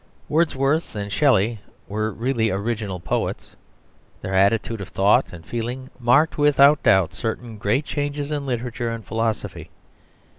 Wordsworth and Shelley were really original poets; their attitude of thought and feeling marked without doubt certain great changes in literature and philosophy.